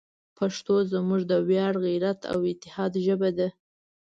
پښتو زموږ د ویاړ، غیرت، او اتحاد ژبه ده.